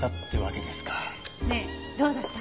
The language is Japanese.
ねえどうだった？